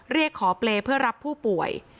เรียกขอเปรย์เพื่อรับผู้ป่วย